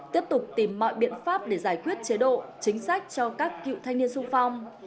tiếp tục tìm mọi biện pháp để giải quyết chế độ chính sách cho các cựu thanh niên sung phong